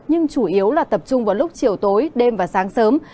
nhưng chủ yếu là tập trung vào lúc chiều tối đêm và sáng sớm